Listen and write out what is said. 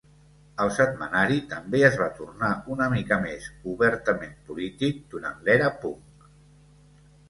El setmanari també es va tornar una mica més obertament polític durant l'era punk.